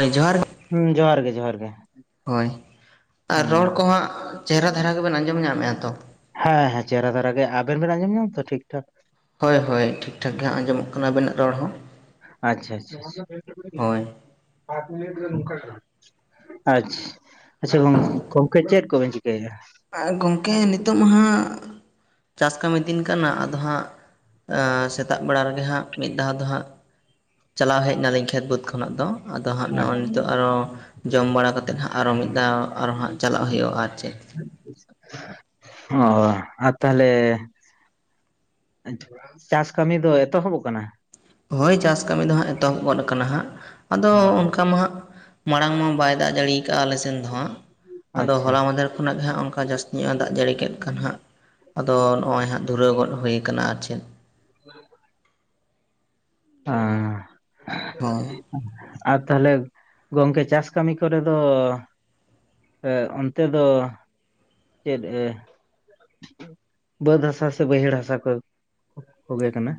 ᱦᱮᱸ ᱡᱚᱦᱟᱨ ᱦᱩᱸ ᱡᱚᱦᱟᱨ ᱜᱮ ᱡᱚᱦᱟᱨ ᱜᱮ᱾ ᱦᱳᱭ ᱟᱨ ᱦᱩᱸ ᱨᱚᱲ ᱠᱚᱦᱟᱸᱜ ᱪᱮᱦᱨᱟ ᱫᱷᱟᱨᱟ ᱜᱮᱵᱮᱱ ᱟᱸᱡᱚᱢ ᱧᱟᱢ ᱢᱮᱭᱟ ᱛᱚ᱾ ᱦᱮᱸ ᱦᱮᱸ ᱪᱮᱦᱨᱟ ᱫᱷᱟᱨᱟ ᱜᱮ, ᱟᱵᱮᱱ ᱵᱮᱱ ᱟᱸᱡᱚᱢ ᱧᱟᱢ ᱫᱟ ᱴᱷᱤᱠ ᱴᱷᱟᱠ? ᱦᱳᱭ ᱦᱳᱭ ᱴᱷᱤᱠ ᱴᱷᱟᱠ ᱜᱮ ᱦᱟᱸᱜ ᱟᱸᱡᱚᱢᱚᱜ ᱠᱟᱱᱟ ᱟᱵᱤᱱᱟᱜ ᱨᱚᱲ ᱦᱚᱸ᱾ ᱟᱪᱪᱷᱟ ᱟᱪᱪᱷᱟ᱾ ᱦᱳᱭ ᱯᱟᱡ ᱡᱤᱱᱤᱴ ᱨᱮ ᱱᱚᱝᱠᱟ ᱠᱟᱱᱟ ᱟᱪᱷ ᱟᱪᱪᱷᱟ ᱜᱚᱝᱠᱮ ᱪᱮᱫ ᱠᱚᱵᱮᱱ ᱪᱤᱠᱟ ᱜᱮᱭᱟ᱾ ᱟᱨ ᱜᱚᱝᱠᱮ ᱱᱤᱛᱚᱜ ᱢᱟ ᱦᱟᱸᱜ ᱪᱟᱥ ᱠᱟᱹᱢᱤ ᱫᱤᱱ ᱠᱟᱱᱟ, ᱟᱫᱚ ᱦᱟᱸᱜ ᱮᱸᱻ ᱥᱮᱛᱟᱜ ᱵᱮᱲᱟ ᱨᱮᱜᱮ ᱦᱟᱸᱜ ᱢᱤᱫ ᱫᱷᱟᱣ ᱫᱚ ᱦᱟᱸᱜ, ᱪᱟᱞᱟᱣ ᱦᱮᱡ ᱱᱟᱞᱤᱧ ᱠᱷᱮᱛ ᱵᱟᱹᱫᱽ ᱠᱷᱚᱱᱟᱜ ᱫᱚ ᱟᱫᱚ ᱦᱟᱸᱜ ᱱᱚᱜᱼᱚᱭ ᱱᱤᱛᱚᱜ ᱟᱨᱚ ᱡᱚᱢ ᱵᱟᱲᱟ ᱠᱟᱛᱮᱫ ᱦᱟᱸᱜ ᱟᱨᱚ ᱢᱤᱫ ᱫᱷᱟᱣ ᱟᱨᱚᱸ ᱦᱟᱸ ᱪᱟᱞᱟᱜ ᱦᱩᱭᱩᱜᱼᱟ ᱟᱨ ᱪᱮᱫ, ᱚ ᱟᱨ ᱛᱟᱦᱚᱞᱮ ᱪᱟᱥ ᱠᱟᱹᱢᱤ ᱫᱚ ᱮᱛᱚᱦᱚᱵᱚᱜ ᱠᱟᱱᱟ? ᱦᱳᱭ ᱪᱟᱥ ᱠᱟᱹᱢᱤ ᱫᱚ ᱦᱟᱸᱜ ᱮᱛᱚᱦᱚᱵ ᱜᱚᱫ ᱠᱟᱱᱟ ᱦᱟᱸᱜ ᱟᱫᱚ ᱦᱩᱸ ᱚᱱᱠᱟ ᱢᱟ ᱦᱟᱸᱜ, ᱢᱟᱲᱟᱝ ᱢᱟ ᱵᱟᱭ ᱫᱟᱜ ᱡᱟᱹᱲᱤᱭᱟ ᱠᱟᱜᱼᱟ ᱟᱞᱮ ᱥᱮᱱ ᱫᱚ ᱦᱟᱸᱜ, ᱟᱫᱚ ᱟᱪᱪᱷᱟ ᱦᱚᱞᱟ ᱢᱟᱫᱷᱮᱨ ᱠᱷᱚᱱᱟᱜ ᱜᱮ ᱦᱟᱸᱜ ᱚᱱᱠᱟ ᱡᱟᱹᱥᱛᱤ ᱧᱚᱜᱼᱟ ᱫᱟᱜ ᱡᱟᱹᱲᱤ ᱠᱮᱫ ᱠᱷᱟᱱ ᱦᱟᱸᱜ, ᱟᱫᱚ ᱱᱚᱜᱼᱚᱭ ᱦᱟᱸᱜ ᱫᱷᱩᱨᱟᱹᱣ ᱜᱚᱫ ᱦᱩᱭ ᱠᱟᱱᱟ ᱟᱨ ᱪᱮᱫ᱾ [unintelligible] ᱮᱸᱻ ᱦᱚᱸ ᱟᱨ ᱛᱟᱦᱚᱞᱮ ᱜᱚᱝᱠᱮ ᱪᱟᱥ ᱠᱟᱹᱢᱤ ᱠᱚᱨᱮ ᱫᱚ ᱥᱮ ᱚᱱᱛᱮ ᱫᱚ ᱪᱮᱫ ᱮ ᱵᱟᱹᱫᱽ ᱦᱟᱥᱟ ᱥᱮ ᱵᱟᱹᱭᱦᱟᱹᱲ ᱦᱟᱥᱟ ᱠᱚ ᱠᱚᱜᱮ ᱠᱟᱱᱟ?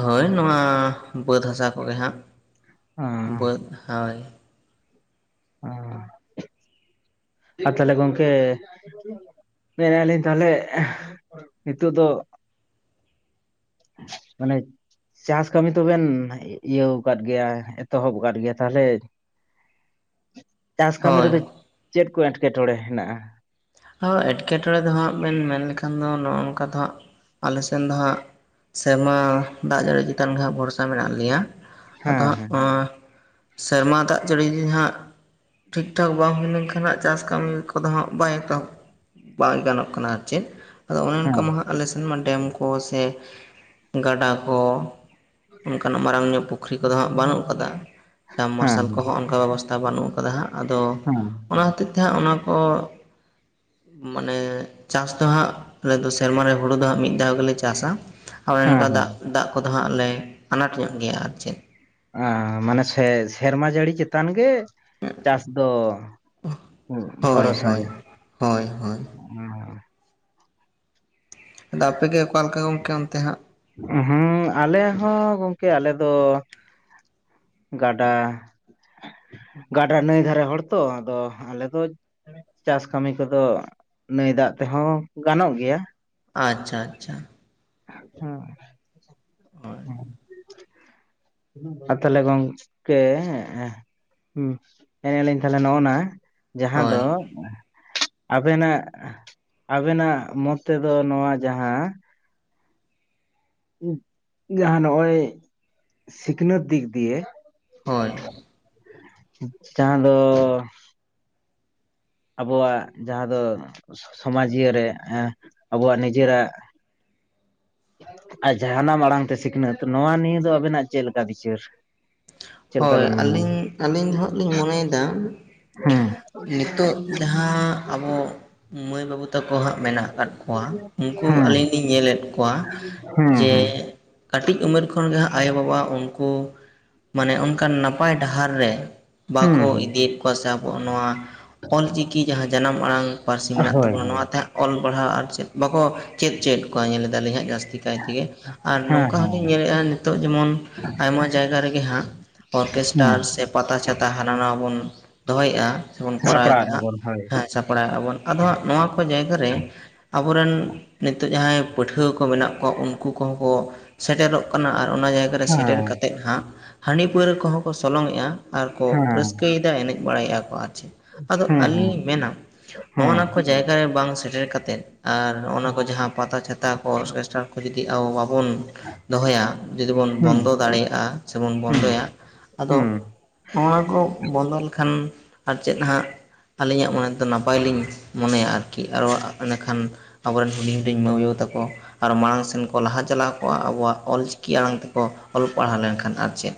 ᱦᱳᱭ ᱱᱚᱣᱟ ᱵᱟᱹᱫᱽ ᱦᱟᱥᱟ ᱠᱚᱜᱮ ᱦᱟᱸᱜ᱾ ᱚᱻ ᱵᱟᱹᱫᱽ ᱦᱳᱭ ᱚ ᱟᱨ ᱛᱟᱦᱚᱞᱮ ᱜᱚᱝᱠᱮ ᱢᱮᱱᱮ ᱞᱤᱧ ᱛᱟᱦᱚᱞᱮ ᱱᱤᱛᱚᱜ ᱫᱚ ᱢᱟᱱᱮ ᱪᱟᱥ ᱠᱟᱹᱢᱤ ᱛᱚᱵᱮᱱ ᱤᱭᱟᱹᱣ ᱠᱟᱫ ᱜᱮᱭᱟ ᱮᱛᱚᱦᱚᱵ ᱠᱟᱫ ᱜᱮᱭᱟ ᱛᱟᱦᱚᱞᱮ ᱪᱟᱥ ᱠᱟᱹᱢᱤ ᱦᱳᱭ ᱨᱮᱫᱚ ᱪᱮᱫ ᱠᱚ ᱮᱴᱠᱮᱴᱚᱬᱮ ᱦᱮᱱᱟᱜᱼᱟ ᱮᱴᱠᱮᱴᱚᱬᱮ ᱫᱚᱦᱟᱸᱜ ᱵᱮᱱ ᱢᱮᱱ ᱞᱮᱠᱷᱟᱱ ᱫᱚ ᱱᱚᱜᱼᱚ ᱱᱚᱝᱠᱟ ᱫᱚ ᱦᱟᱸᱜ ᱟᱞᱮ ᱥᱮᱱ ᱫᱚ ᱦᱟᱸᱜ ᱥᱮᱢᱟ ᱫᱟᱜ ᱡᱟᱹᱲᱤ ᱪᱮᱛᱟᱱ ᱜᱮ ᱦᱟᱸᱜ ᱵᱷᱚᱨᱥᱟ ᱢᱮᱱᱟᱜ ᱞᱮᱭᱟ ᱟᱫᱚ ᱦᱮᱸ ᱦᱟᱸᱜ ᱦᱮᱸ ᱱᱚᱣᱟ ᱥᱮᱨᱢᱟ ᱫᱟᱜ ᱡᱟᱹᱲᱤ ᱦᱟᱸᱜ ᱴᱷᱤᱠ ᱴᱷᱟᱠ ᱵᱟᱝ ᱦᱩᱭ ᱞᱮᱱᱠᱷᱟᱱ ᱦᱟᱸᱜ ᱪᱟᱥ ᱠᱟᱹᱢᱤ ᱠᱚᱫᱚ ᱦᱟᱸᱜ ᱵᱟᱭ ᱠᱟᱵ ᱵᱟᱝ ᱜᱟᱱᱚᱜ ᱠᱟᱱᱟ ᱟᱨ ᱪᱮᱫ ᱟᱫᱚ ᱚᱱᱠᱟ ᱦᱮᱸ ᱢᱟ ᱟᱞᱮ ᱥᱮᱱ ᱢᱟ ᱰᱮᱢ ᱠᱚ ᱥᱮ ᱜᱟᱰᱟ ᱠᱚ ᱚᱱᱠᱟᱱᱟᱜ ᱢᱟᱨᱟᱝ ᱧᱚᱜ ᱯᱩᱠᱷᱨᱤ ᱠᱚᱫᱚ ᱦᱟᱸᱜ ᱵᱟᱹᱱᱩᱜ ᱠᱟᱫᱟ ᱥᱟᱵ ᱦᱮᱸ ᱢᱟᱨᱥᱟᱞ ᱠᱚᱦᱚᱸ ᱚᱱᱠᱟ ᱵᱮᱵᱚᱥᱛᱷᱟ ᱵᱟᱹᱱᱩᱜ ᱠᱟᱫᱟ ᱦᱟᱸᱜ ᱟᱫᱚ ᱚᱱᱟ ᱦᱚᱛᱮᱡ ᱛᱮ ᱦᱟᱸᱜ ᱚᱱᱟ ᱠᱚ ᱢᱟᱱᱮ ᱪᱟᱥ ᱫᱚ ᱦᱟᱸᱜ ᱟᱞᱮ ᱫᱚ ᱥᱮᱨᱢᱟ ᱨᱮ ᱦᱩᱲᱩ ᱫᱚ ᱦᱟᱸᱜ ᱢᱤᱫ ᱫᱷᱟᱣ ᱜᱮᱞᱮ ᱪᱟᱥᱟᱜ ᱦᱳᱭ ᱦᱮᱸ ᱱᱚᱝᱠᱟ ᱦᱮᱸ ᱫᱟᱜ ᱫᱟᱜ ᱠᱚᱫᱚ ᱦᱟᱸᱜ ᱞᱮ ᱟᱱᱟᱴ ᱧᱚᱜ ᱜᱮᱭᱟ ᱟᱨ ᱪᱮᱫ ᱢᱟᱱᱮ ᱥᱮ ᱥᱮᱨᱢᱟ ᱡᱟᱹᱲᱤ ᱪᱮᱛᱟᱱ ᱜᱮ ᱪᱟᱥ ᱫᱚ ᱦᱳᱭ ᱵᱷᱚᱨᱚᱥᱟ ᱦᱳᱭ ᱜᱮ ᱦᱳᱭ ᱦᱳᱭ [inaudible] ᱟᱫᱚ ᱟᱯᱮ ᱜᱮ ᱚᱠᱟᱞᱮᱠᱟ ᱜᱚᱝᱠᱮ ᱚᱱᱛᱮ ᱦᱟᱜ ᱦᱮᱸ ᱟᱞᱮ ᱦᱚᱸ ᱜᱚᱝᱠᱮ ᱟᱞᱮ ᱫᱚ ᱜᱟᱰᱟ ᱜᱟᱰᱟ ᱱᱟᱹᱭ ᱫᱷᱟᱨᱮ ᱦᱚᱲ ᱛᱚ ᱟᱫᱚ ᱟᱞᱮ ᱫᱚ ᱪᱟᱥ ᱠᱟᱹᱢᱤ ᱠᱚᱫᱚ ᱱᱟᱹᱭ ᱫᱟᱜ ᱛᱮᱦᱚᱸ ᱜᱟᱱᱚᱜ ᱜᱮᱭᱟ ᱟᱪᱪᱷᱟ ᱟᱪᱪᱷᱟ ᱦᱮ ᱦᱳᱭ [inaudible] ᱟᱨ ᱛᱟᱦᱚᱞᱮ ᱜᱚᱝᱠᱮ ᱦᱮᱸ ᱮᱱᱮᱜ ᱞᱤᱧ ᱛᱟᱦᱚᱞᱮ ᱱᱚᱜᱼ ᱱᱟ ᱡᱟᱦᱟᱸ ᱫᱚ ᱦᱳᱭ ᱟᱵᱮᱱᱟᱜ ᱟᱵᱮᱱᱟᱜ ᱢᱚᱛ ᱛᱮᱫᱚ ᱱᱚᱣᱟ ᱡᱟᱦᱟᱸ ᱡᱟᱦᱟᱸ ᱱᱚᱜᱼᱚᱭ ᱥᱤᱠᱷᱱᱟᱹᱛ ᱫᱤᱠ ᱫᱤᱭᱮ ᱦᱳᱭ ᱡᱟᱦᱟᱸ ᱫᱚ ᱟᱵᱚᱣᱟᱜ ᱡᱟᱦᱟᱸ ᱫᱚ ᱥᱚᱢᱟᱡᱽᱤᱭᱟᱹ ᱨᱮ ᱮ ᱟᱵᱚᱣᱟᱜ ᱱᱤᱡᱮᱨᱟᱜ ᱟᱨ ᱡᱟᱦᱱᱟᱜ ᱟᱲᱟᱝ ᱛᱮ ᱥᱤᱠᱷᱱᱟᱹᱛ ᱱᱚᱣᱟ ᱱᱤᱭᱟᱹ ᱫᱚ ᱟᱵᱮᱱᱟᱜ ᱪᱮᱫ ᱞᱮᱠᱟ ᱵᱤᱪᱟᱹᱨ ᱪᱮᱫ ᱞᱮᱠᱟ ᱦᱳᱭ ᱵᱮᱱ ᱢᱚᱱᱮᱭᱟ ᱟᱹᱞᱤᱧ ᱟᱹᱞᱤᱧ ᱫᱚ ᱦᱟᱸᱟᱜ ᱞᱤᱧ ᱢᱚᱱᱮᱭᱮᱫᱟ ᱦᱩᱸ ᱱᱤᱛᱚᱜ ᱡᱟᱦᱟᱸ ᱟᱵᱚ ᱢᱟᱹᱭ ᱵᱟᱹᱵᱩ ᱛᱟᱠᱚ ᱦᱟᱸᱜ ᱢᱮᱱᱟᱜ ᱟᱠᱟᱫ ᱠᱚᱣᱟ ᱩᱱᱠᱩ ᱟᱹᱞᱤᱧ ᱞᱤᱧ ᱧᱮᱞᱮᱫ ᱠᱚᱣᱟ ᱦᱩᱸ ᱦᱩᱸ ᱡᱮ ᱦᱩᱸ ᱠᱟᱹᱴᱤᱡ ᱩᱢᱮᱨ ᱠᱷᱚᱱ ᱜᱮ ᱟᱭᱳᱼᱵᱟᱵᱟ ᱩᱱᱠᱩ ᱢᱟᱱᱮ ᱚᱱᱠᱟᱱ ᱱᱟᱯᱟᱭ ᱰᱟᱦᱟᱨ ᱨᱮ ᱦᱩᱸ ᱵᱟᱠᱚ ᱦᱩᱸ ᱤᱫᱤᱭᱮᱫ ᱠᱚᱣᱟ ᱥᱮ ᱟᱵᱚᱣᱟᱜ ᱱᱚᱣᱟ ᱚᱞ ᱪᱤᱠᱤ ᱡᱟᱦᱟᱸ ᱡᱟᱱᱟᱢ ᱟᱲᱟᱝ ᱯᱟᱹᱨᱥᱤ ᱢᱮᱱᱟᱜ ᱦᱳᱭ ᱛᱟᱵᱚᱱᱟ ᱦᱳᱭ ᱱᱚᱣᱟᱛᱮᱦᱟᱜ ᱚᱞ ᱯᱟᱲᱦᱟᱣ ᱟᱨ ᱪᱮᱫ ᱵᱟᱠᱚ ᱪᱮᱫ ᱪᱮᱫ ᱠᱚ ᱧᱮᱞ ᱮᱫᱟᱞᱤᱧ ᱦᱟᱜ ᱡᱟᱹᱥᱛᱤ ᱠᱟᱭ ᱛᱮᱜᱮ ᱟᱨ ᱦᱮᱸ ᱱᱚᱝᱠᱟ ᱦᱮᱸ ᱦᱚᱸᱞᱤᱧ ᱧᱮᱞᱮᱫᱼᱟ ᱱᱤᱛᱚᱜ ᱡᱮᱢᱚᱱ ᱟᱭᱢᱟ ᱡᱟᱭᱜᱟ ᱨᱮᱜᱮ ᱜᱮ ᱦᱟᱸᱜ ᱚᱨᱠᱮᱥᱴᱟᱨ ᱦᱮᱸ ᱥᱮ ᱯᱟᱛᱟ ᱪᱷᱟᱛᱟ ᱦᱟᱱᱟ ᱱᱟᱣᱟ ᱵᱚᱱ ᱫᱚᱦᱚᱭᱮᱜᱼᱟ ᱥᱮᱵᱚᱱ ᱠᱚᱨᱟᱣᱮᱫᱟ ᱥᱟᱯᱲᱟᱣᱮᱫᱼᱟ ᱦᱟᱜ ᱵᱚᱱ ᱦᱳᱭ ᱦᱮᱸ ᱥᱟᱯᱲᱟᱣ ᱟ ᱵᱚᱱ ᱟᱫᱚ ᱦᱟᱸᱜ ᱱᱚᱣᱟ ᱠᱚ ᱡᱟᱭᱜᱟ ᱨᱮ ᱟᱵᱚᱨᱮᱱ ᱱᱤᱛᱚᱜ ᱡᱟᱦᱟᱸᱭ ᱯᱟᱹᱴᱷᱩᱣᱟᱹ ᱠᱚ ᱢᱮᱱᱟᱜ ᱠᱚᱣᱟ ᱩᱱᱠᱩ ᱠᱚᱦᱚᱸ ᱠᱚ ᱥᱮᱴᱮᱨᱚᱜ ᱠᱟᱱᱟ ᱟᱨ ᱚᱱᱟ ᱡᱟᱭᱜᱟ ᱨᱮ ᱥᱮᱴᱮᱨ ᱦᱮᱸ ᱠᱟᱛᱮᱫ ᱦᱟᱜ ᱦᱟᱺᱰᱤ ᱯᱟᱹᱣᱨᱟ ᱠᱚᱦᱚᱸ ᱠᱚ ᱥᱚᱞᱚᱝᱮᱜᱼᱟ ᱟᱨᱠᱚ ᱦᱮᱸ ᱨᱟᱹᱥᱠᱟᱹᱭᱮᱫᱟ ᱮᱱᱮᱡ ᱵᱟᱲᱟᱭᱮᱫᱼᱟ ᱠᱚ ᱟᱨ ᱪᱮᱫ ᱟᱫᱚ ᱦᱮᱸ ᱟᱹᱞᱤᱧ ᱦᱮᱸ ᱞᱤᱧ ᱢᱮᱱᱟ ᱱᱚᱜᱼᱚ ᱦᱮᱸ ᱱᱟ ᱠᱚ ᱡᱟᱭᱜᱟ ᱨᱮ ᱵᱟᱝ ᱥᱮᱴᱮᱨ ᱠᱟᱛᱮᱫ ᱟᱨ ᱚᱱᱟ ᱠᱚ ᱡᱟᱦᱟᱸ ᱯᱟᱛᱟ ᱪᱷᱟᱛᱟ ᱠᱚ ᱚᱨᱠᱮᱥᱴᱟᱨ ᱠᱚ ᱡᱩᱫᱤ ᱟᱵᱚ ᱵᱟᱵ ᱵᱚᱱ ᱫᱚᱦᱚᱭᱟ, ᱡᱩᱫᱤ ᱵᱚᱱ ᱦᱮᱸ ᱵᱚᱱᱫᱚ ᱫᱟᱲᱮᱭᱟᱜᱼᱟ, ᱥᱮᱵᱚᱱ ᱦᱮᱸ ᱵᱚᱱᱫᱚᱭᱟ, ᱟᱫᱚ ᱦᱩᱸ ᱱᱚᱣᱟ ᱠᱚ ᱵᱚᱱᱫᱚ ᱞᱮᱠᱷᱟᱱ, ᱟᱨ ᱪᱮᱫ ᱦᱟᱜ ᱟᱹᱞᱤᱧᱟᱜ ᱢᱚᱱᱮ ᱫᱚ ᱱᱟᱯᱟᱭ ᱞᱤᱧ ᱢᱚᱱᱮᱭᱟ ᱟᱨᱠᱤ ᱟᱨᱦᱚᱸ ᱤᱱᱟᱹᱠᱷᱟᱱ ᱟᱵᱚᱨᱮᱱ ᱦᱩᱰᱤᱧ ᱦᱩᱰᱤᱧ ᱢᱟᱹᱭᱟᱹ ᱛᱟᱠᱚ, ᱟᱨ ᱢᱟᱲᱟᱝ ᱥᱮᱱ ᱠᱚ ᱞᱟᱦᱟ ᱪᱟᱞᱟᱣ ᱠᱚᱜᱼᱟ, ᱟᱵᱚᱣᱟᱜ ᱚᱞ ᱪᱤᱠᱤ ᱟᱲᱟᱝ ᱛᱮᱠᱚ ᱚᱞ ᱯᱟᱲᱦᱟᱣ ᱞᱮᱱᱠᱷᱟᱱ, ᱟᱨ ᱪᱮᱫ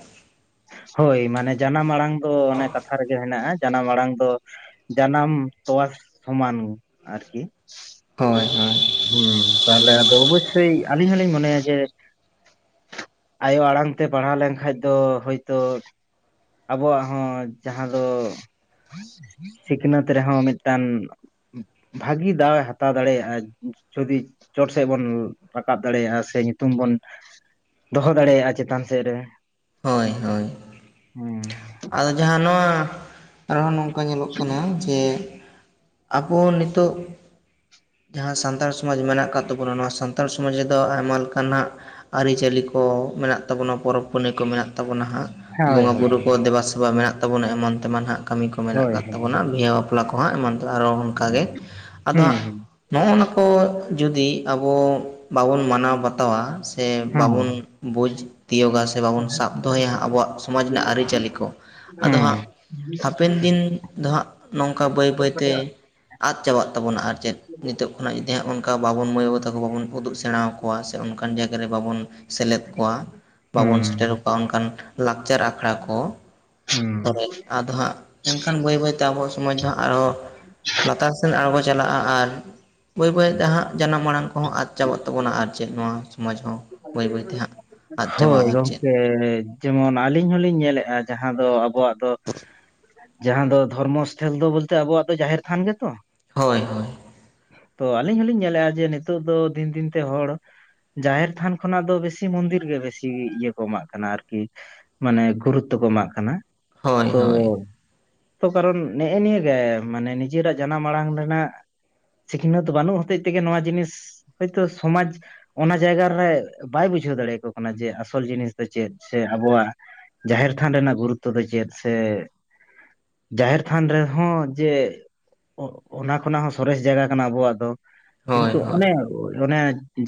ᱦᱳᱭ ᱢᱟᱱᱮ ᱡᱟᱱᱟᱢ ᱟᱲᱟᱝ ᱫᱚ ᱚᱱᱮ ᱠᱟᱛᱷᱟ ᱨᱮᱜᱮ ᱢᱮᱱᱟᱜᱼᱟ ᱾ ᱡᱟᱱᱟᱢ ᱟᱲᱟᱝ ᱫᱚ ᱡᱟᱱᱟᱢ ᱛᱚᱣᱟ ᱥᱚᱢᱟᱱ ᱟᱨᱠᱤ, ᱦᱳᱭ ᱦᱳᱭ ᱦᱮᱸ ᱛᱟᱦᱚᱞᱮ ᱟᱫᱚ ᱚᱵᱚᱥᱥᱳᱭ ᱟᱹᱞᱤᱧ ᱦᱚᱞᱤᱧ ᱢᱚᱱᱮᱭᱟ ᱡᱮ ᱟᱭᱳ ᱟᱲᱟᱝᱛᱮ ᱯᱟᱲᱦᱟᱣ ᱞᱮᱱᱠᱟᱱᱡ ᱫᱚ ᱦᱳᱭᱛᱳ, ᱟᱵᱚᱣᱟᱜ ᱦᱚᱸ ᱡᱟᱦᱟᱸ ᱫᱚ, ᱥᱤᱠᱷᱱᱟᱹᱛ ᱨᱮᱦᱚᱸ ᱢᱤᱫᱴᱟᱝ ᱵᱷᱟᱜᱤ ᱫᱟᱣᱮ ᱦᱟᱛᱟᱣ ᱫᱟᱲᱮᱭᱟᱜᱼᱟ᱾ ᱡᱩᱫᱤ ᱪᱚᱴ ᱥᱮᱫ ᱵᱚᱱ ᱨᱟᱠᱟᱵ ᱫᱟᱲᱮᱭᱟᱜᱼᱟ ᱥᱮ, ᱧᱩᱛᱩᱢ ᱵᱚᱱ ᱫᱚᱦᱚ ᱫᱟᱲᱮᱭᱟᱜᱼᱟ ᱪᱮᱛᱟᱱ ᱥᱮᱫ ᱨᱮ, ᱦᱳᱭ ᱦᱳᱭ ᱦᱩᱸ ᱟᱫᱚ ᱡᱟᱦᱟᱸ ᱱᱚᱶᱟ, ᱟᱨᱦᱚᱸ ᱱᱚᱝᱠᱟ ᱧᱮᱞᱚᱜ ᱠᱟᱱᱟ ᱡᱮ, ᱟᱵᱚ ᱱᱤᱛᱚᱜ ᱡᱟᱦᱟᱸ ᱥᱟᱱᱛᱟᱲ ᱥᱚᱢᱟᱡᱽ ᱢᱮᱱᱟᱜ ᱟᱠᱟᱫ ᱛᱟᱵᱚᱱᱟ, ᱱᱚᱣᱟ ᱥᱟᱱᱛᱟᱲ ᱥᱚᱢᱟᱡᱽ ᱨᱮᱫᱚ ᱟᱭᱢᱟ ᱞᱮᱠᱟᱱᱟᱜ ᱟᱹᱨᱤᱪᱟᱹᱞᱤ ᱠᱚ ᱢᱮᱱᱟᱜ ᱛᱟᱵᱚᱱᱟ, ᱯᱚᱨᱚᱵᱽ ᱯᱩᱱᱟᱹᱭ ᱠᱚ ᱢᱮᱱᱟᱜ ᱛᱟᱵᱚᱱᱟ ᱦᱟᱸᱜ᱾ ᱦᱳᱭ ᱵᱚᱸᱜᱟ ᱦᱳᱭ ᱵᱩᱨᱩ ᱠᱚ ᱫᱮᱵᱟᱼᱥᱮᱵᱟ ᱢᱮᱱᱟᱜ ᱛᱟᱵᱚᱱᱟ ᱮᱢᱟᱱ ᱛᱮᱢᱟᱱ ᱦᱟᱸᱜ ᱠᱟᱹᱢᱤ ᱠᱚ ᱢᱮᱱᱟᱜ ᱦᱳᱭ ᱟᱠᱟᱫ ᱦᱳᱭ ᱛᱟᱵᱚᱱᱟ, ᱵᱤᱦᱟᱹ ᱵᱟᱯ ᱵᱟᱯᱞᱟ ᱠᱚᱦᱟᱸᱜ ᱮᱢᱟᱱ ᱛᱮᱭᱟ ᱟᱨᱦᱚᱸ ᱚᱱᱠᱟᱜᱮ, ᱟᱫᱚ ᱦᱩᱸ ᱦᱟᱸᱜ ᱱᱚᱜᱱᱟ ᱠᱚ ᱡᱩᱫᱤ ᱟᱵᱚ ᱵᱟᱵᱚᱱ ᱢᱟᱱᱟᱣ ᱵᱟᱛᱟᱣᱟ, ᱥᱮ ᱦᱩᱸ ᱦᱩᱸ ᱵᱟᱵᱚᱱ ᱵᱩᱡᱽ ᱛᱤᱭᱳᱜᱟ, ᱥᱮ ᱵᱟᱵᱚᱱ ᱥᱟᱵ ᱫᱚᱦᱚᱭᱟ ᱟᱵᱚᱣᱟᱜ ᱥᱚᱢᱟᱡᱽ ᱨᱮᱱᱟᱜ ᱟᱹᱨᱤᱪᱟᱹᱞᱤ ᱠᱚ᱾ ᱟᱫᱚ ᱦᱩᱸ ᱦᱟᱸᱜ ᱦᱟᱯᱮᱱ ᱫᱤᱱ ᱫᱚ ᱦᱟᱸᱜ ᱱᱚᱝᱠᱟ ᱵᱟᱹᱭ ᱵᱟᱹᱭ ᱛᱮ᱾ ᱟᱫ ᱪᱟᱵᱟᱜ ᱛᱟᱵᱚᱱᱟ ᱟᱨ ᱪᱮᱫ ᱱᱤᱛᱚᱜ ᱠᱷᱚᱱᱟᱜ ᱡᱩᱫᱤ ᱦᱟᱸᱜ ᱚᱱᱠᱟ ᱵᱟᱵᱚᱱ ᱢᱟᱹᱭ ᱵᱟᱵᱩ ᱛᱟᱠᱚ ᱵᱟᱵᱚᱱ ᱩᱫᱩᱜ ᱥᱮᱬᱟ ᱠᱚᱣᱟ, ᱥᱮ ᱚᱱᱠᱟᱱ ᱡᱟᱭᱜᱟ ᱨᱮ ᱵᱟᱵᱚᱱ ᱥᱮᱞᱮᱫ ᱠᱚᱣᱟ ᱵᱟᱵᱚᱱ ᱦᱩᱸ ᱥᱮᱴᱮᱨ ᱠᱚᱣᱟ, ᱚᱱᱠᱟᱱ ᱞᱟᱠᱪᱟᱨ ᱟᱠᱷᱲᱟ ᱠᱚ᱾ ᱦᱩᱸ, ᱠᱚᱨᱮ ᱟᱫᱚ ᱦᱟᱸᱜ ᱮᱱᱠᱷᱟᱱ ᱵᱟᱹᱭ ᱵᱟᱹᱭᱛᱮ ᱟᱵᱚ ᱥᱚᱢᱟᱡᱽ ᱫᱚ ᱟᱨᱦᱚ, ᱞᱟᱛᱟᱨ ᱥᱮᱱ ᱟᱲᱜᱚᱡ᱾ ᱪᱟᱞᱟᱜᱼᱟ ᱟᱨ ᱵᱟᱹᱭ ᱵᱟᱹᱭᱛᱮ ᱦᱟᱸᱜ ᱡᱟᱱᱟᱢ ᱢᱟᱲᱟᱝ ᱠᱚᱦᱚᱸ ᱟᱫ ᱪᱟᱵᱟᱜ ᱛᱟᱵᱚᱱᱟ ᱟᱨ ᱪᱮᱫ ᱱᱚᱣᱟ, ᱥᱚᱢᱟᱡᱽ ᱦᱚᱸ ᱵᱟᱹᱭ ᱵᱟᱹᱭᱛᱮ ᱦᱟᱸᱜ [unintelligible] ᱟᱫ ᱪᱟᱵᱟᱜᱼᱟ ᱦᱳᱭ ᱟᱨ ᱪᱮᱫ ᱜᱚᱝᱠᱮ, ᱡᱮᱢᱚᱱ ᱟᱹᱞᱤᱧ ᱦᱚᱞᱤᱧ ᱧᱮᱞᱮᱫᱼᱟ, ᱡᱟᱦᱟᱸ ᱫᱚ, ᱟᱵᱚᱣᱟᱜ ᱫᱚ ᱡᱟᱦᱟᱸ ᱫᱚ, ᱫᱷᱚᱨᱢᱚᱥ ᱮᱞ ᱫᱚ ᱵᱚᱞᱛᱮ ᱟᱵᱚᱣᱟᱜ ᱫᱚ ᱡᱟᱦᱮᱨ ᱛᱷᱟᱱ ᱜᱮᱛᱚ? ᱦᱳᱭ, ᱛᱚ ᱟᱹᱞᱤᱧ ᱦᱚᱞᱤᱧ ᱧᱮᱞᱮᱫᱼᱟ ᱡᱮ ᱱᱤᱛᱚᱜ ᱫᱚ ᱫᱤᱱ ᱫᱤᱱᱛᱮ ᱦᱚᱲ ᱡᱟᱦᱮᱨ ᱛᱷᱟᱱ ᱠᱷᱚᱱᱟᱜ ᱫᱚ ᱵᱮᱥᱤ ᱢᱚᱱᱫᱤᱨ ᱜᱮ ᱵᱮᱥᱤ ᱤᱭᱟᱹ ᱠᱚ ᱮᱢᱟᱜ ᱠᱟᱱᱟ ᱟᱨᱠᱤ᱾ ᱢᱟᱱᱮ ᱜᱩᱨᱩᱛᱛᱚ ᱠᱚ ᱮᱢᱟᱜ ᱠᱟᱱᱟ᱾ ᱦᱳᱭ ᱛᱚᱻ ᱦᱳᱭ ᱛᱚ ᱠᱟᱨᱚᱱ ᱱᱮᱜᱼᱮ ᱱᱤᱭᱟᱹ ᱜᱮ ᱢᱟᱱᱮ ᱱᱤᱡᱮᱨᱟᱜ ᱡᱟᱱᱟᱢ ᱟᱲᱟᱝ ᱨᱮᱱᱟᱜ ᱥᱤᱠᱷᱱᱟᱹᱛ ᱵᱟᱹᱱᱩᱜ ᱦᱚᱛᱮᱡ ᱛᱮᱜᱮ ᱱᱚᱣᱟ ᱡᱤᱱᱤᱥ ᱦᱳᱭᱛᱳ ᱥᱚᱢᱟᱡᱽ ᱚᱱᱟ ᱡᱟᱭᱜᱟ ᱛᱟᱦᱚᱞᱮ ᱵᱟᱭ ᱵᱩᱡᱷᱟᱹᱣ ᱫᱟᱲᱮᱭᱟᱠᱚ ᱠᱟᱱᱟ ᱡᱮ ᱟᱥᱚᱞ ᱡᱤᱱᱤᱥ ᱫᱚ ᱪᱮᱫ, ᱥᱮ ᱟᱵᱚᱣᱟᱜ ᱡᱟᱦᱮᱨ ᱛᱷᱟᱱ ᱨᱮᱱᱟᱜ ᱜᱩᱨᱩᱯ ᱛᱮᱫᱚ ᱪᱮᱫ ᱥᱮ ᱡᱟᱦᱮᱨ ᱛᱷᱟᱱ ᱨᱮᱦᱚᱸ ᱡᱮ᱾ ᱚᱱᱟ ᱠᱷᱚᱱᱟᱜ ᱦᱚᱸ ᱥᱚᱨᱮᱥ ᱡᱟᱭᱜᱟ ᱠᱟᱱᱟ ᱟᱵᱚᱣᱟᱜ ᱫᱚ ᱾ ᱦᱳᱭ ᱠᱤᱱᱛᱩ ᱦᱳᱭ ᱚᱱᱮ ᱚᱱᱮ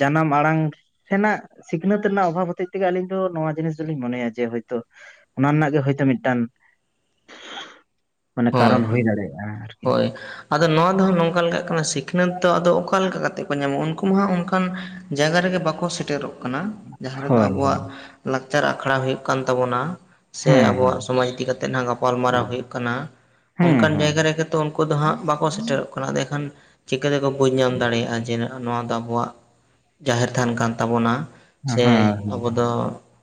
ᱡᱟᱱᱟᱢ ᱟᱲᱟᱝ ᱥᱮᱱᱟᱜ ᱥᱤᱠᱷᱱᱟᱹᱛ ᱨᱮᱱᱟᱜ ᱚᱵᱷᱟᱵᱽ ᱦᱚᱛᱮᱡ ᱛᱮᱜᱮ ᱟᱹᱞᱤᱧ ᱫᱚ ᱱᱚᱣᱟ ᱡᱤᱱᱤᱥ ᱫᱚᱞᱤᱧ ᱢᱚᱱᱮᱭᱟ ᱡᱮ ᱦᱳᱭᱛᱳ ᱾ ᱚᱱᱟ ᱨᱮᱱᱟᱜ ᱜᱮ ᱦᱳᱭᱛᱳ ᱢᱤᱫᱴᱟᱝ ᱾ ᱢᱟᱱᱮ ᱦᱳᱭ ᱠᱟᱨᱚᱱ ᱦᱩᱭ ᱦᱳᱭ ᱫᱟᱲᱮᱭᱟᱜᱼᱟ ᱟᱨᱠᱤ᱾ ᱦᱳᱭ ᱟᱫᱚ ᱱᱚᱣᱟ ᱫᱚ ᱱᱚᱝᱠᱟ ᱞᱮᱠᱟᱜ ᱠᱟᱱᱟ ᱥᱤᱠᱷᱱᱟᱹᱛ ᱫᱚ ᱟᱫᱚ ᱚᱠᱟ ᱞᱮᱠᱟ ᱠᱟᱛᱮ ᱠᱚ ᱧᱟᱢᱚᱼᱟ ᱩᱱᱠᱩ ᱢᱟ ᱦᱟᱸᱜ ᱚᱱ ᱚᱱᱠᱟᱱ ᱡᱟᱭᱜᱟ ᱨᱮᱜᱮ ᱵᱟᱠᱚ ᱥᱮᱴᱮᱨᱚᱜ ᱠᱟᱱᱟ ᱾ ᱡᱟᱦᱟᱸ ᱨᱮᱫᱚ ᱦᱳᱭ ᱟᱵᱚᱣᱟᱜ ᱦᱳᱭ ᱞᱟᱠᱪᱟᱨ ᱟᱠᱷᱲᱟ ᱦᱩᱭᱩᱜ ᱠᱟᱱ ᱛᱟᱵᱚᱱᱟ᱾ ᱥᱮ ᱦᱮᱸ ᱦᱮᱸ ᱟᱵᱚᱣᱟᱜ ᱥᱚᱢᱟᱡᱽ ᱤᱫᱤ ᱠᱟᱛᱮ ᱱᱟᱜ ᱜᱟᱯᱟᱞ ᱢᱟᱨᱟᱣ ᱦᱩᱭᱩᱜ ᱠᱟᱱᱟ᱾ ᱦᱮᱸ ᱚᱱᱠᱟᱱ ᱦᱮᱸ ᱡᱟᱭᱜᱟ ᱨᱮᱜᱮ ᱛᱚ ᱩᱱᱠᱩ ᱫᱚ ᱦᱟᱸᱜ ᱵᱟᱠᱚ ᱥᱮᱴᱮᱨᱚᱜ ᱠᱟᱱᱟ ᱮᱱᱠᱷᱟᱱ ᱪᱤᱠᱟᱹᱛᱮᱠᱚ ᱵᱩᱡᱽ ᱧᱟᱢ ᱫᱟᱲᱮᱭᱟᱜᱼᱟ ᱡᱮ ᱱᱚᱣᱟ ᱫᱚ ᱟᱵᱚᱣᱟᱜ ᱡᱟᱦᱮᱨ ᱛᱷᱟᱱ ᱠᱟᱱ ᱛᱟᱵᱚᱱᱟ ᱥᱮ ᱦᱮᱸ ᱟᱵᱚ ᱫᱚ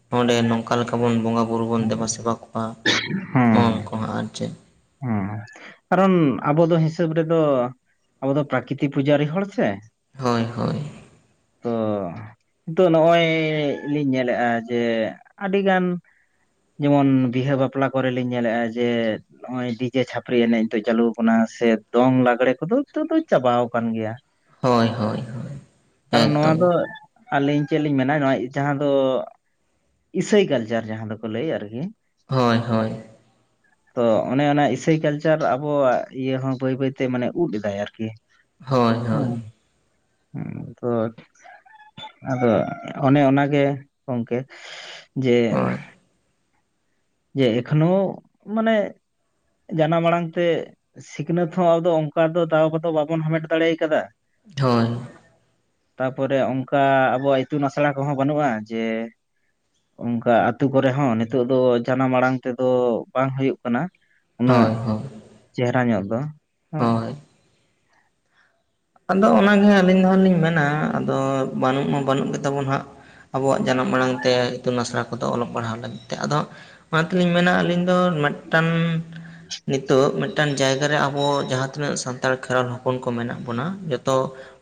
ᱱᱚᱸᱰᱮ ᱱᱚᱝᱠᱟ ᱞᱮᱠᱟ ᱵᱚᱱ ᱵᱚᱸᱜᱟ ᱵᱩᱨᱩ ᱵᱚᱱ ᱫᱮᱵᱟ ᱥᱮᱵᱟ ᱠᱚᱣᱟ ᱦᱮᱸ ᱱᱚᱣᱟ ᱠᱚᱦᱚᱸ ᱟᱨ ᱪᱮᱫ᱾ ᱦᱮᱸ ᱠᱟᱨᱚᱱ ᱟᱵᱚ ᱫᱚ ᱦᱤᱥᱟᱹᱵ ᱨᱮᱫᱚ ᱟᱵᱚ ᱫᱚ ᱯᱨᱟᱠᱨᱤᱛᱤᱠ ᱯᱩᱡᱟᱨᱤ ᱦᱚᱲ ᱥᱮ, ᱦᱳᱭ ᱦᱳᱭ ᱾ ᱛᱚᱻ ᱱᱤᱛᱚᱜ ᱱᱚᱜᱼᱚᱭ ᱞᱤᱧ ᱧᱮᱞᱮᱫᱼᱟ ᱡᱮ ᱟᱹᱰᱤᱜᱟᱱ ᱡᱮᱢᱚᱱ ᱵᱤᱦᱟᱹ ᱵᱟᱯᱞᱟ ᱠᱚᱨᱮ ᱞᱤᱧ ᱧᱮᱞᱮᱫᱼᱟ ᱡᱮ, ᱱᱚᱜ-ᱚᱭ ᱰᱤᱡᱮ ᱪᱷᱟᱯᱨᱤ ᱮᱱᱮᱡ ᱫᱚ ᱪᱟᱹᱞᱩ ᱟᱠᱟᱱᱟ ᱥᱮ ᱫᱚᱝ ᱞᱟᱜᱽᱲᱮ ᱠᱚᱫᱚ ᱱᱤᱛᱚᱜ ᱫᱚ ᱪᱟᱵᱟᱣ ᱟᱠᱟᱱ ᱜᱮᱭᱟ᱾ ᱦᱳᱭ ᱦᱳᱭ ᱦᱳᱭ ᱾ ᱠᱟᱨᱚᱱ ᱱᱚᱣᱟ ᱫᱚ ᱟᱹᱞᱤ ᱪᱮᱫᱽ ᱞᱤᱧ ᱢᱮᱱᱟ ᱱᱚᱣᱟ ᱡᱟᱦᱟᱸ ᱫᱚ, ᱤᱥᱟᱹᱭ ᱠᱟᱞᱪᱟᱨ ᱡᱟᱦᱟᱸ ᱫᱚᱠᱚ ᱞᱟᱹᱭᱟ ᱟᱨᱠᱤ᱾ ᱦᱳᱭ ᱦᱳᱭ ᱾ [inaudible] ᱛᱚ ᱚᱱᱮ ᱚᱱᱟ ᱤᱥᱟᱹᱭ ᱠᱟᱞᱪᱟᱨ ᱟᱵᱚᱣᱟᱜ ᱤᱭᱟᱹ ᱦᱚᱸ ᱵᱟᱹᱭ ᱵᱟᱹᱭᱛᱮ ᱢᱟᱱᱮ ᱩᱫ ᱮᱫᱟᱭ ᱟᱨᱠᱤ᱾ ᱦᱳᱭ ᱦᱳᱭ ᱦᱩᱸ ᱦᱳᱭ [unintelligible] ᱛᱚ ᱟᱫᱚ ᱚᱱᱮ ᱚᱱᱟᱜᱮ ᱜᱚᱢᱠᱮ, ᱡᱮ ᱡᱮ ᱮᱠᱷᱚᱱ ᱦᱳᱸ ᱢᱟᱱᱮ ᱡᱟᱱᱟᱢ ᱟᱲᱟᱝ ᱛᱮ ᱥᱤᱠᱷᱱᱟᱹᱛ ᱦᱚᱸ ᱟᱫᱚ ᱚᱱᱠᱟ ᱫᱚ ᱫᱟᱣ ᱠᱚᱫᱚ ᱵᱟᱵᱚᱱ ᱦᱟᱢᱮᱴ ᱫᱟᱲᱮ ᱠᱟᱫᱟ, ᱦᱳᱭ ᱾ ᱛᱟᱯᱚᱨᱮ ᱚᱱᱠᱟ ᱟᱵᱚᱣᱟᱜ ᱤᱛᱩᱱ ᱟᱥᱲᱟ ᱠᱚᱦᱚᱸ ᱵᱟᱹᱱᱩᱜᱼᱟ ᱡᱮ ᱚᱱᱠᱟ ᱟᱛᱳ ᱠᱚᱨᱮ ᱦᱚᱸ ᱱᱤᱛᱚᱜ ᱫᱚ ᱡᱟᱱᱟᱢ ᱟᱲᱟᱝ ᱛᱮᱫᱚ ᱵᱟᱝ ᱦᱳᱭᱳᱜ ᱠᱟᱱᱟ ᱩᱱᱟᱹᱜ ᱦᱳᱭ ᱦᱳᱭ ᱪᱮᱦᱨᱟ ᱧᱚᱜ ᱫᱚ ᱦᱮᱸ ᱦᱳᱭ ᱾ ᱟᱫᱚ ᱚᱱᱟᱜᱮ ᱦᱟᱸᱜ ᱟᱹᱞᱤᱧ ᱫᱚ ᱦᱟᱸᱜ ᱞᱤᱧ ᱢᱮᱱᱟ ᱟᱫᱚ ᱵᱟᱹᱱᱩᱜ ᱢᱟ ᱵᱟᱹᱱᱩᱜ ᱜᱮᱛᱟ ᱵᱚᱱᱟ ᱦᱟᱸᱜ ᱟᱵᱚᱣᱟᱜ ᱡᱟᱱᱟᱢ ᱟᱲᱟᱝ ᱛᱮ ᱤᱛᱩᱱ ᱟᱥᱲᱟ ᱠᱚᱫᱚ ᱚᱞᱚᱜ ᱯᱟᱲᱦᱟᱣ ᱞᱟᱹᱜᱤᱫ ᱛᱮ ᱟᱫᱚ ᱚᱱᱟ ᱛᱮᱞᱤᱧ ᱢᱮᱱᱟ ᱟᱹᱞᱤᱧ ᱫᱚ ᱢᱤᱫᱴᱟᱝ ᱱᱤᱛᱚᱜ ᱢᱤᱫ ᱴᱟᱱ ᱡᱟᱭᱜᱟ ᱨᱮ ᱟᱵᱚ ᱡᱟᱦᱟᱸ ᱛᱤᱱᱟᱹᱜ ᱥᱟᱱᱛᱟᱲ ᱠᱷᱮᱨᱣᱟᱞ ᱦᱚᱯᱚᱱ ᱠᱚ ᱢᱮᱱᱟᱜ ᱡᱚᱛᱚ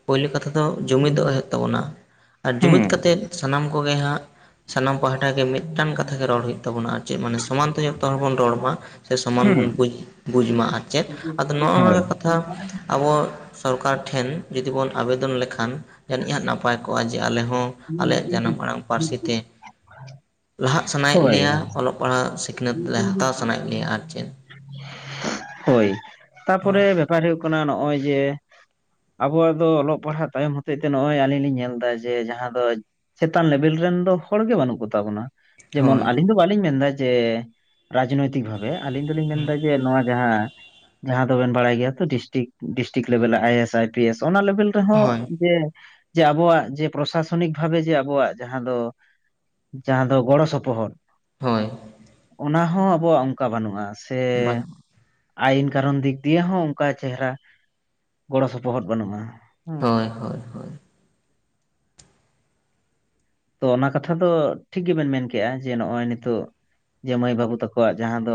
ᱯᱳᱭᱞᱳ ᱠᱟᱛᱷᱟ ᱫᱚ ᱡᱩᱢᱤᱫᱚᱜ ᱦᱩᱭᱩᱜ ᱛᱟᱵᱚᱱᱟ ᱟᱨ ᱡᱩᱢᱤᱫ ᱦᱩᱸ ᱠᱟᱛᱮ ᱥᱟᱱᱟᱢ ᱠᱚᱜᱮ ᱦᱟᱸᱜ ᱥᱟᱱᱟᱢ ᱯᱟᱦᱴᱟ ᱜᱮ ᱢᱤᱫᱴᱟᱱ ᱠᱟᱛᱷᱟ ᱜᱮ ᱨᱚᱲ ᱦᱩᱭᱩᱜ ᱛᱟᱵᱚᱱᱟ ᱟᱨ ᱪᱮᱫ ᱢᱟᱱᱮ ᱥᱚᱢᱟᱱᱛᱮ ᱡᱚᱛᱚ ᱦᱚᱲ ᱵᱚᱱ ᱨᱚᱲ ᱢᱟ ᱾ ᱥᱮ ᱥᱚᱢᱟᱱ ᱦᱩᱸ ᱵᱚᱱ ᱵᱩᱡᱽ ᱢᱟ ᱟᱨ ᱪᱮᱫ ᱟᱫᱚ ᱱᱚᱜᱼᱚ ᱦᱳᱭ ᱱᱚᱣᱟ ᱠᱟᱛᱷᱟ ᱟᱵᱚ ᱥᱚᱨᱠᱟᱨ ᱴᱷᱮᱱ ᱡᱩᱫᱤ ᱵᱚᱱ ᱟᱵᱮᱫᱚᱱ ᱞᱮᱠᱷᱟᱱ ᱡᱟᱹᱱᱤᱡ ᱦᱟᱸᱜ ᱱᱟᱯᱟᱭ ᱠᱚᱜᱼᱟ ᱡᱮ ᱟᱞᱮ ᱦᱚᱸ ᱟᱞᱮᱭᱟᱜ ᱡᱟᱱᱟᱢ ᱟᱲᱟᱝ ᱯᱟᱹᱨᱥᱤ ᱛᱮ [unintelligible] ᱞᱟᱦᱟᱜ ᱥᱟᱱᱟᱭᱮᱫ ᱦᱳᱭ ᱞᱮᱭᱟ ᱚᱞᱚᱜ, ᱯᱟᱲᱦᱟᱜ, ᱥᱤᱠᱷᱱᱟᱹᱛ, ᱞᱮ ᱦᱟᱛᱟᱣ ᱥᱟᱱᱟᱭᱮᱫ ᱞᱮᱭᱟ ᱟᱨ ᱪᱮᱫ ᱦᱳᱭ ᱛᱟᱨᱯᱚᱨᱮ ᱵᱮᱯᱟᱨ ᱦᱩᱭᱩᱜ ᱠᱟᱱᱟ ᱱᱚᱜᱼᱚᱭ ᱡᱮ ᱟᱵᱚᱣᱟᱜ ᱫᱚ ᱚᱞᱚᱜ ᱯᱟᱲᱦᱟᱜ ᱛᱟᱭᱚᱢ ᱦᱚᱛᱮᱡ ᱛᱮ ᱱᱚᱜᱼᱚᱭ ᱟᱹᱞᱤᱧ ᱞᱤᱧ ᱧᱮᱞ ᱮᱫᱟ ᱡᱮ ᱡᱟᱦᱟᱸ ᱪᱮᱛᱟᱱ ᱞᱮᱵᱮᱞ ᱨᱮᱱ ᱫᱚ ᱦᱚᱲ ᱜᱮ ᱵᱟᱹᱱᱩᱜ ᱠᱚᱛᱟ ᱵᱚᱱᱟ ᱡᱮᱢᱚᱱ ᱦᱳᱭ ᱟᱹᱞᱤᱧ ᱫᱚ ᱵᱟᱞᱤᱧ ᱢᱮᱱᱫᱟ ᱡᱮ ᱨᱟᱡᱽᱱᱤᱛᱤᱠ ᱵᱷᱟᱵᱮ ᱟᱹᱞᱤᱧ ᱫᱚᱞᱤᱧ ᱢᱮᱱᱫᱟ ᱡᱮ ᱱᱚᱣᱟ ᱡᱟᱦᱟᱸ ᱡᱟᱦᱟᱸ ᱫᱚᱵᱮᱱ ᱵᱟᱲᱟᱭ ᱜᱮᱭᱟ ᱛᱚ ᱰᱤᱥᱴᱤᱠ ᱰᱤᱥᱴᱤᱠ ᱞᱮᱵᱮᱞ I A S I P S ᱚᱱᱟ ᱞᱮᱵᱮᱞ ᱦᱚᱸ ᱦᱳᱭ ᱡᱮ ᱡᱮ ᱟᱵᱚᱣᱟᱜ ᱡᱮ ᱯᱨᱚᱥᱟᱥ ᱥᱷᱚᱱᱤᱠ ᱵᱷᱟᱵᱮ ᱡᱮ ᱟᱵᱚᱣᱟᱜ ᱡᱟᱦᱟᱸ ᱫᱚ ᱡᱟᱦᱟᱸ ᱫᱚ ᱜᱚᱲᱚ ᱥᱚᱯᱚᱦᱚᱫ ᱦᱳᱭ ᱾ ᱚᱱᱟ ᱦᱚᱸ ᱟᱵᱚᱣᱟᱜ ᱚᱱᱠᱟ ᱵᱟᱹᱱᱩᱜᱼᱟ ᱥᱮ ᱵᱟᱹᱱᱩᱜᱼᱟ ᱟᱭᱤᱱ ᱠᱟᱨᱚᱱ ᱫᱤᱠ ᱫᱤᱭᱮ ᱦᱚᱸ ᱚᱱᱠᱟ ᱪᱮᱦᱨᱟ ᱜᱚᱲᱚ ᱥᱚᱯᱚᱦᱚᱫ ᱵᱟᱹᱱᱩᱜᱼᱟ ᱾ ᱦᱳᱭ ᱦᱳᱭ ᱾ ᱛᱚ ᱚᱱᱟ ᱠᱟᱛᱷᱟ ᱫᱚ ᱴᱷᱤᱠ ᱜᱮᱵᱮᱱ ᱢᱮᱱ ᱠᱮᱜᱼᱟ ᱡᱮ ᱱᱚᱜᱼᱚᱭ ᱱᱤᱛᱚᱜ ᱡᱮ ᱢᱟᱹᱭ ᱵᱟᱹᱵᱩ ᱛᱟᱠᱚᱣᱟᱜ ᱡᱟᱦᱟᱸ ᱫᱚ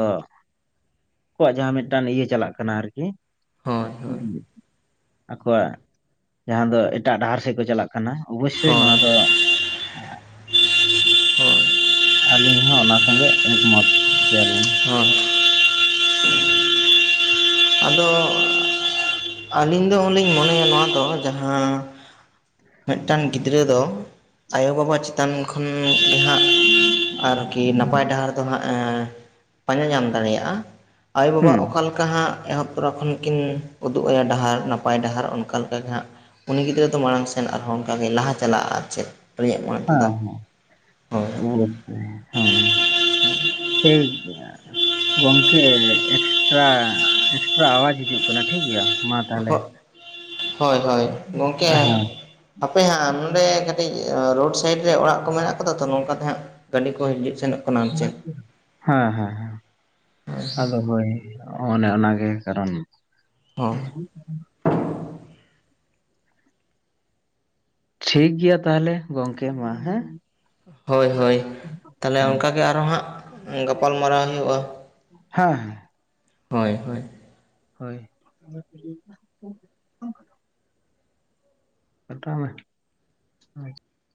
ᱟᱠᱣᱟᱜ ᱡᱟᱦᱟᱸ ᱢᱤᱫᱴᱟᱱ ᱤᱭᱟᱹ ᱪᱟᱞᱟᱜ ᱠᱟᱱᱟ ᱟᱨᱠᱤ᱾ ᱦᱳᱭ ᱦᱳᱭ ᱟᱠᱚᱣᱟᱜ ᱡᱟᱦᱟᱸ ᱫᱚ ᱮᱴᱟᱜ ᱰᱟᱦᱟᱨ ᱥᱮᱡ ᱠᱚ ᱪᱟᱞᱟᱜ ᱠᱟᱱᱟ᱾ ᱠᱟᱱᱟ ᱚᱵᱚᱥᱥᱳᱭ ᱦᱳᱭ ᱱᱚᱣᱟ ᱫᱚ ᱦᱳᱭ ᱟᱹᱞᱤᱧ ᱦᱚᱸ ᱚᱱᱟ ᱥᱚᱸᱜᱮ ᱮᱠ ᱢᱚᱛ ᱜᱮᱭᱟᱞᱤᱧ᱾ ᱦᱮᱸ ᱟᱫᱚ ᱟᱹᱞᱤᱧ ᱫᱚ ᱩᱱ ᱞᱤᱧ ᱢᱚᱱᱮᱭᱟ ᱱᱚᱣᱟ ᱫᱚ ᱡᱟᱦᱟᱸ ᱢᱤᱫ ᱴᱟᱝ ᱜᱤᱫᱽᱨᱟᱹ ᱫᱚ ᱟᱭᱳᱵᱟᱵᱟ ᱪᱮᱛᱟᱱ ᱠᱷᱚᱱ ᱜᱮ ᱦᱸᱟᱜ ᱟᱨᱠᱤ ᱱᱟᱯᱟᱭ ᱰᱟᱦᱟᱨ ᱯᱟᱸᱡᱟ ᱧᱟᱢ ᱫᱟᱲᱮᱭᱟᱜᱼᱟ ᱟᱭᱳᱼᱵᱟᱵᱟ ᱦᱩᱸ ᱚᱠᱟ ᱞᱮᱠᱟ ᱚᱱᱠᱟ ᱦᱟᱸᱜ ᱮᱦᱚᱵᱛᱚᱨᱟ ᱠᱷᱚᱱ ᱠᱤᱱ ᱩᱫᱩᱜ ᱟᱭᱟ ᱰᱟᱦᱟᱨ ᱱᱟᱯᱟᱭ ᱰᱟᱦᱟᱨ ᱚᱱᱠᱟ ᱞᱮᱠᱟᱜᱮ ᱦᱟᱸᱜ ᱩᱱᱤ ᱜᱤᱫᱽᱨᱟᱹ ᱫᱚ ᱢᱟᱲᱟᱝ ᱥᱮᱱ ᱟᱨ ᱦᱚᱸ ᱚᱱᱠᱟᱜᱮᱭ ᱞᱟᱦᱟ ᱪᱟᱞᱟᱜᱼᱟ ᱟᱨ ᱪᱮᱫ᱾ ᱟᱹᱞᱤᱧᱟᱜ ᱢᱚᱱᱮ ᱦᱮᱸ ᱛᱮᱫᱚ ᱦᱮᱸ ᱦᱳᱭ ᱦᱮᱸ ᱚᱵᱚᱥᱥᱚᱭ ᱦᱮᱸ ᱴᱷᱤᱠ ᱜᱮᱭᱟ᱾ ᱜᱚᱝᱠᱮ ᱮᱠᱥᱴᱨᱟ ᱮᱠᱥᱴᱨᱟ ᱟᱣᱟᱡ ᱦᱤᱡᱩᱜ ᱠᱟᱱᱟ ᱴᱷᱤᱠᱜᱮᱭᱟ᱾ ᱦᱳᱭ ᱦᱳᱭ ᱜᱚᱢᱠᱮ ᱦᱮᱸ ᱦᱟᱯᱮ ᱦᱟᱸᱜ ᱱᱚᱰᱮ ᱠᱟᱹᱴᱤᱡ ᱨᱳᱰ ᱥᱟᱭᱤᱰ ᱨᱮ ᱚᱲᱟᱜ ᱠᱚ ᱢᱮᱱᱟᱜ ᱟᱠᱟᱫᱟ ᱛᱚ ᱱᱚᱝᱠᱟ ᱛᱮ ᱦᱟᱸᱜ ᱜᱟᱹᱰᱤ ᱠᱚ ᱦᱤᱡᱩᱜ ᱥᱮᱱᱚᱜ ᱠᱟᱱᱟ ᱟᱨ ᱪᱮᱫ ᱦᱮᱸ ᱦᱮᱸᱦᱮᱸ ᱟᱫᱚ ᱦᱳᱭ ᱚᱱᱮ ᱚᱱᱟᱜᱮ ᱠᱟᱨᱚᱱ᱾ ᱦᱚᱸ᱾ [inaudible] ᱴᱷᱤᱠ ᱜᱮᱭᱟ ᱛᱟᱦᱚᱞᱮ ᱜᱚᱝᱠᱮ ᱢᱟ ᱦᱮᱸ ᱦᱳᱭ ᱦᱳᱭ ᱛᱟᱦᱚᱞᱮ ᱦᱮᱸ ᱚᱱᱠᱟᱜᱮ ᱟᱨᱚ ᱦᱟᱸᱜ ᱜᱟᱯᱟᱞᱢᱟᱨᱟᱣ ᱦᱩᱭᱩᱜᱼᱟ᱾ ᱦᱮᱸ ᱦᱮᱸ᱾ ᱦᱳᱭ ᱦᱳᱭ᱾ ᱦᱳᱭ᱾ [unintelligible] [unintelligible]